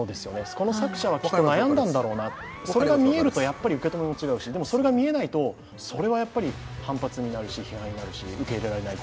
この作者はきっと悩んだんだろうな、それが見えると受け止めも違うし、それが見えないと反発になるし、批判になるし受け入れられないと。